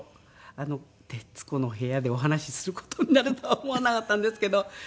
『徹子の部屋』でお話しする事になるとは思わなかったんですけど。